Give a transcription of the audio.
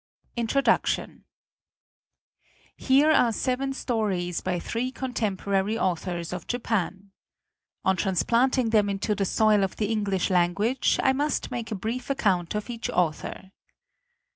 Xll INTRODUCTION Here are seven stories by three con temporary authors of Japan. On trans planting them into the soil of the Eng lish language, I must make a brief ac count of each author.